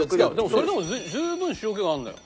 それでも十分塩気があるのよ。